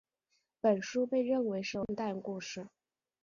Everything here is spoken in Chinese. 本书被认为是一流的圣诞故事。